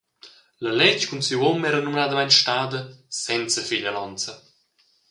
La lètg cun siu um era numnadamein stada senza figlialonza.